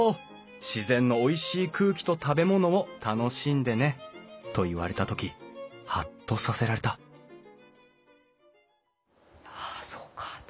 自然のおいしい空気と食べ物を楽しんでね」と言われた時ハッとさせられたああそうかあと。